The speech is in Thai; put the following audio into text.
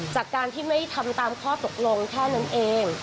จากการที่ไม่ทำตามข้อตกลงแค่นั้นเอง